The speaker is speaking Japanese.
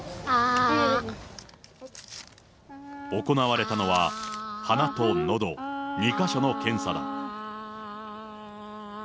行われたのは、鼻とのど、２か所の検査だ。